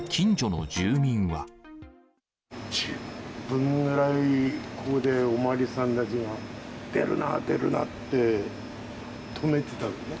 １０分ぐらい、ここでお巡りさんたちが、出るな、出るなって止めてたのね。